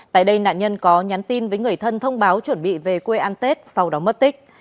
tại đây nạn nhân có nhắn tin với người thân thông báo chuẩn bị về quê ăn tết sau đó mất tích